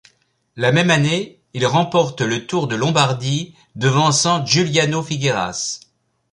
La même année, il remporte le Tour de Lombardie devançant Giuliano Figueras.